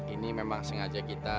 ini memang sengaja kita